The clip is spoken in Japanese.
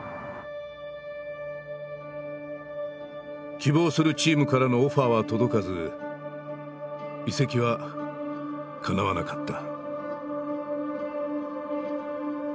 希望するチームからのオファーは届かず移籍はかなわなかった。